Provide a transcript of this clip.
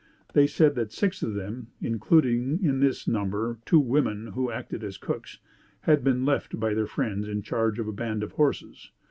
They said that six of them, including in this number two women who acted as cooks, had been left by their friends in charge of a band of horses.